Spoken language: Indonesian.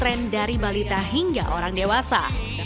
tren dari balita hingga orang dewasa